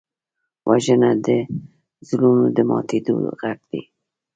وژنه د زړونو د ماتېدو غږ دی